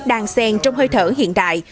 đang sen trong hơi thở hiện đại